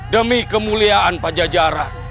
demi kemuliaan pada jajaran